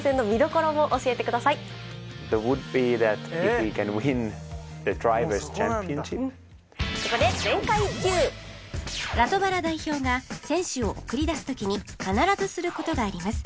ここでラトバラ代表が選手を送り出す時に必ずする事があります。